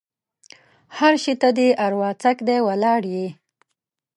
هر شي ته دې اروا څک دی؛ ولاړ يې.